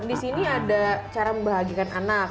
disini ada cara membahagiakan anak